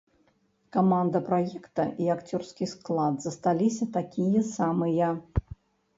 Каманда праекта і акцёрскі склад засталіся такія самыя.